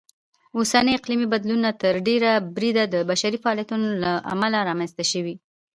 اوسني اقلیمي بدلونونه تر ډېره بریده د بشري فعالیتونو لهامله رامنځته شوي.